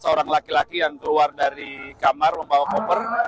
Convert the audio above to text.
seorang laki laki yang keluar dari kamar membawa koper